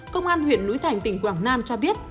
công an huyện núi thành tỉnh quảng nam cho biết